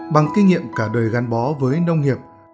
bằng kinh nghiệm cả đời gắn bó với nông nghiệp